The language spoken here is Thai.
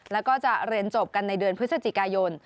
แล้วก็จะเรียนจบกันในเดือนพฤศจิกายน